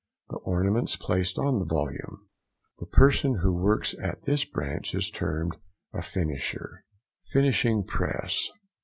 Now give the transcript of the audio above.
The ornaments placed on the volume. The person who works at this branch is termed a finisher. FINISHING PRESS.